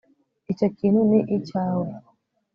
icyo kintu ni icyawe